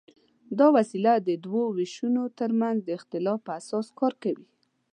دا وسیله د دوو وېشونو تر منځ د اختلاف په اساس کار کوي.